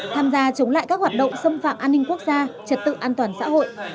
tham gia chống lại các hoạt động xâm phạm an ninh quốc gia trật tự an toàn xã hội